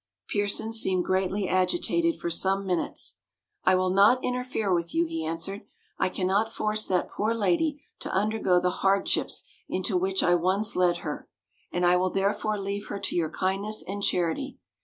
Pearson seemed greatly agitated for some minutes. "I will not interfere with you," he answered. "I cannot force that poor lady to undergo the hardships into which I once led her, and I will therefore leave her to your kindness and charity.